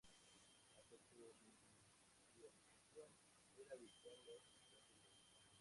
Hasta su industrialización, era habitual los caseríos.